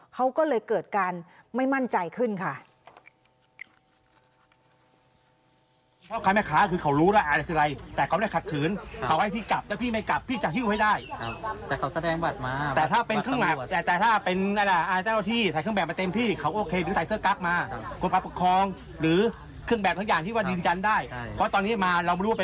เขาก็เลยเกิดการไม่มั่นใจขึ้นค่ะ